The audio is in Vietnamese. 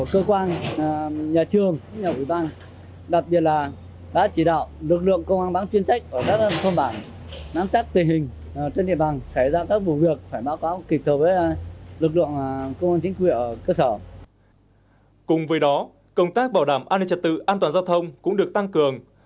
cùng với đó công tác bảo đảm an ninh trật tự an toàn giao thông cũng được tăng cường